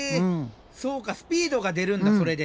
そうかスピードが出るんだそれで。